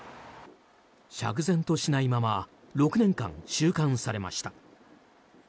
釈然としないまま６年間、収監されました。